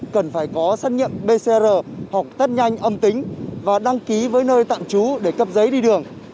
cần phải có xét nghiệm pcr hoặc test nhanh âm tính và đăng ký với nơi tạm trú để cấp giấy đi đường